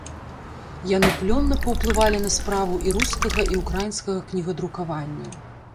Яны плённа паўплывалі на справу і рускага, і ўкраінскага кнігадрукавання.